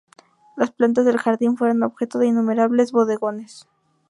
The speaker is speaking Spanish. Las plantas del jardín fueron objeto de innumerables bodegones.